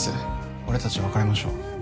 俺達別れましょう